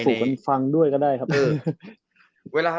ไลฟ์สูบกลายฟังด้วยก็ได้ครับ